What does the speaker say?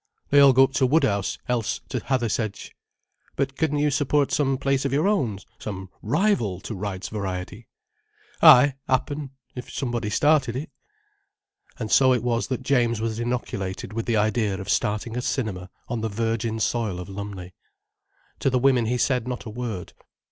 "They all go up to Woodhouse, else to Hathersedge." "But couldn't you support some place of your own—some rival to Wright's Variety?" "Ay—'appen—if somebody started it." And so it was that James was inoculated with the idea of starting a cinema on the virgin soil of Lumley. To the women he said not a word.